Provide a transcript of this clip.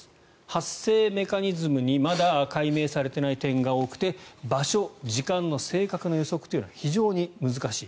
発生メカニズムにまだ解明されていない点が多くて場所、時間の正確な予測というのが非常に難しい。